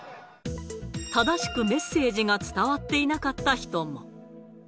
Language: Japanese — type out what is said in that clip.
正しくメッセージが伝わっていなかった人も。